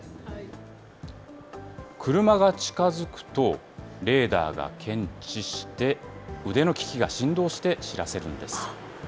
車が近づくとレーダーが検知して、腕の機器が振動して知らせるんです。